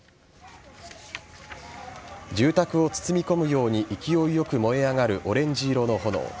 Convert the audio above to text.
住宅を包み込むように勢いよく燃え上がるオレンジ色の炎。